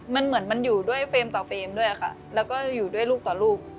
มันเหมือนมันอยู่ด้วยเฟรมต่อเฟรมด้วยค่ะแล้วก็อยู่ด้วยลูกต่อลูก